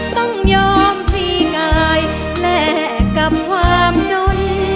ต้องยอมพี่กายแลกกับความจน